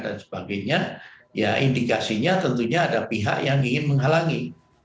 dan sebagainya ya indikasinya tentunya ada pihak yang ingin menghalangi